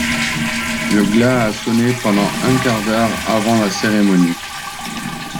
Le glas a sonné pendant un quart d'heure avant la cérémonie.